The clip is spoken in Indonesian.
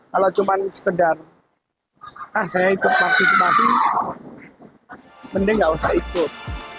kalau cuma sekedar ah saya ikut partisipasi mending nggak usah ikut